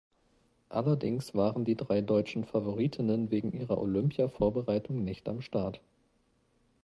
Allerdings waren die drei deutschen Favoritinnen wegen ihrer Olympiavorbereitung nicht am Start.